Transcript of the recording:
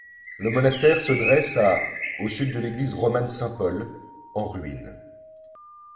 Le monastère se dresse à au sud de l'église romane Saint-Paul, en ruines.